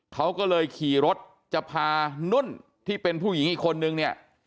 เขาก็เลยขี่รถจะพานุ่นที่เป็นผู้หญิงอีกคนนึงเนี่ย